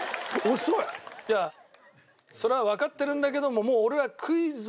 いやそれはわかってるんだけどももう俺はクイズは。